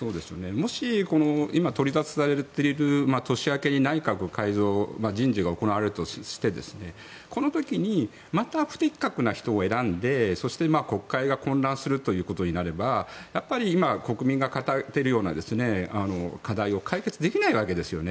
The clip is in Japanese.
もし、今取り沙汰されている年明けに内閣改造人事が行われるとしてこの時にまた不適格な人を選んで国会が混乱することになればやっぱり今国民が抱えているような課題を解決できないわけですよね。